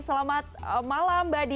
selamat malam badi